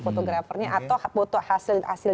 fotografernya atau foto hasil